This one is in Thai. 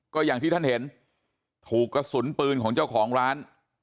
ก็อย่างที่ท่านเห็นถูกกระสุนปืนของเจ้าของร้าน